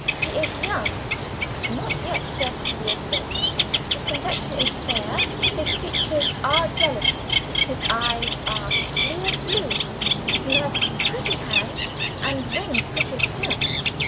"He is young not yet thirty years of age. His complexion is fair; his features are delicate, his eyes are clear blue. He has pretty hands, and rings prettier still.